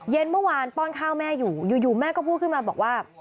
เมื่อวานป้อนข้าวแม่อยู่อยู่แม่ก็พูดขึ้นมาบอกว่า